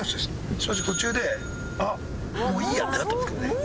正直途中でもういいやってなったんですけどね。